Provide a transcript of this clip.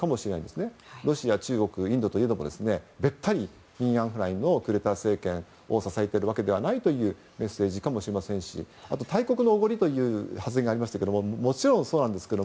中国、ロシア、インドも絶対ミン・アウン・フラインの政権を支えているわけではないというメッセージかもしれませんし大国のおごりという発言がありましたがもちろん、そうなんですけど